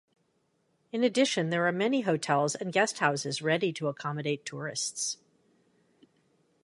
In addition, there are many hotels and guest houses ready to accommodate tourists.